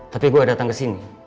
tapi gue datang kesini